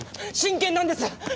真剣なんです！